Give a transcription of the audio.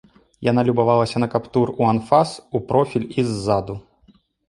Яна любавалася на каптур у анфас, у профіль і ззаду.